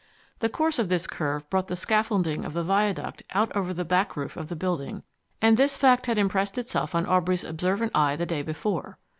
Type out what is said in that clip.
The course of this curve brought the scaffolding of the viaduct out over the back roof of the building, and this fact had impressed itself on Aubrey's observant eye the day before.